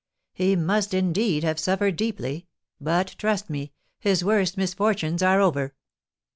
"He must, indeed, have suffered deeply; but, trust me, his worst misfortunes are over."